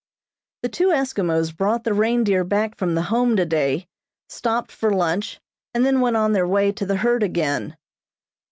The two Eskimos brought the reindeer back from the Home today, stopped for lunch, and then went on their way to the herd again.